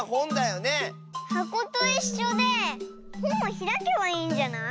はこといっしょでほんもひらけばいいんじゃない？